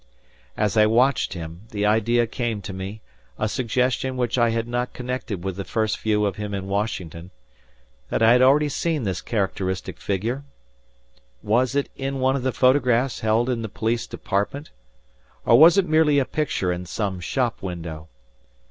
As I watched him, the idea came to me, a suggestion which I had not connected with the first view of him in Washington, that I had already seen this characteristic figure. Was it in one of the photographs held in the police department, or was it merely a picture in some shop window?